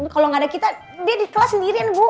kalau nggak ada kita dia di kelas sendirian bu